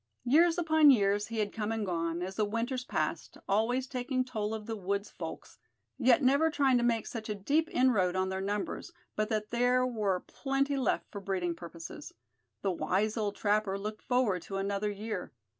Years upon years he had come and gone, as the winters passed, always taking toll of the woods' folks; yet never trying to make such a deep inroad on their numbers but that there were plenty left for breeding purposes. The wise old trapper looked forward to another year.